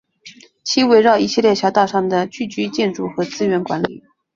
其围绕一系列小岛上的聚居建筑和资源管理。